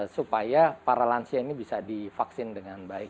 supaya para lansia ini bisa divaksin dengan baik